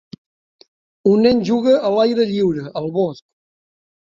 Un nen juga a l'aire lliure al bosc.